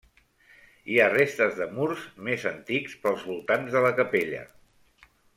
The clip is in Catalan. Hi ha restes de murs més antics pels voltants de la capella.